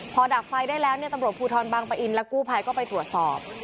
พอดับไฟได้แล้วเนี่ยตำรวจภูทรบางปะอินและกู้ภัยก็ไปตรวจสอบ